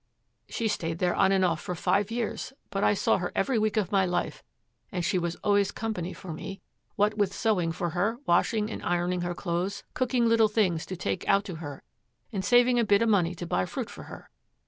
She stayed there off and on for five years, but I saw her every week of my life and she was always company for me, what with sewing for her, washing and ironing her clothes, cooking little things to take out to her and saving a bit of money to buy fruit for her.